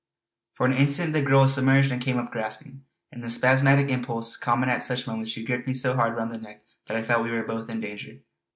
For an instant the girl was submerged and came up gasping. In the spasmodic impulse common at such moments she gripped me so hard round the neck that I felt we were both in danger.